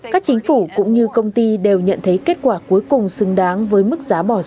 các chính phủ cũng như công ty đều nhận thấy kết quả cuối cùng xứng đáng với môi trường